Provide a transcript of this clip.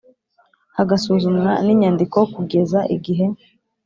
hagasuzumwa n inyandiko kugeza igihe